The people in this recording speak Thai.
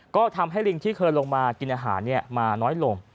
ก็ทำให้ลิงที่เคยลงมากินอาหารมาน้อยลง